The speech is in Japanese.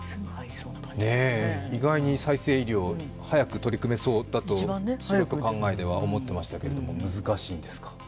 意外に再生医療、早く取り組めそうと思ってましたけど難しいんですか。